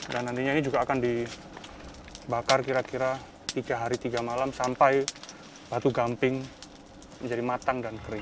dan nantinya ini juga akan dibakar kira kira tiga hari tiga malam sampai batu gamping menjadi matang dan kering